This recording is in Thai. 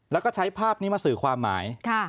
แล้วก็ใช้ภาพนี้มาสื่อความหมาย